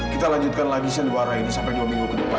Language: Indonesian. kita lanjutkan lagi sandiwara ini sampai dua minggu ke depan